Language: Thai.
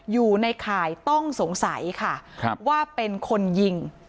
อยู่ในข่ายต้องสงสัยค่ะว่าเป็นคนยิง